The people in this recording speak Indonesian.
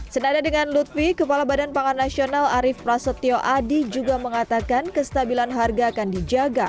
senada dengan lutfi kepala badan pangan nasional arief prasetyo adi juga mengatakan kestabilan harga akan dijaga